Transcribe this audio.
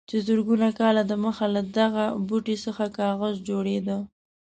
چې زرګونه کاله دمخه له دغه بوټي څخه کاغذ جوړېده.